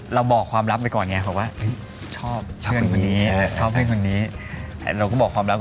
เราบอกความลับไปก่อนแหละ